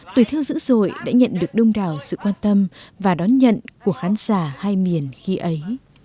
tuổi thơ dữ dội đã nhận được đông đảo sự quan tâm và đón nhận của khán giả hai miền khi ấy